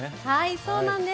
そうなんです。